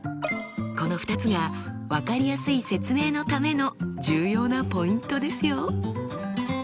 この２つが分かりやすい説明のための重要なポイントですよ！